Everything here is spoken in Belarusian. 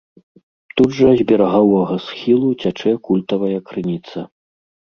Тут жа з берагавога схілу цячэ культавая крыніца.